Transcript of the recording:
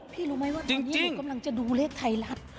รู้ไหมว่าตอนนี้หนูกำลังจะดูเลขไทยรัฐ